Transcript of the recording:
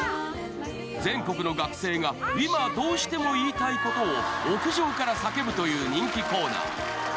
全国の学生が今、どうしても言いたいことを屋上から叫ぶという人気コーナー。